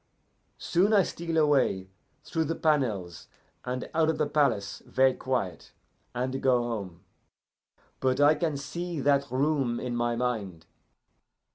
Soon I steal away through the panels, and out of the palace ver' quiet, and go home. But I can see that room in my mind."